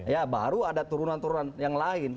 ya baru ada turunan turunan yang lain